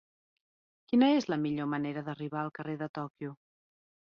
Quina és la millor manera d'arribar al carrer de Tòquio?